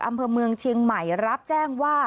อำเภอเมืองเชียงใหม่รับแจ้งว่า